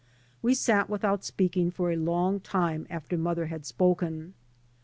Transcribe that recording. We sat without speaking for a long time after mother had spoken.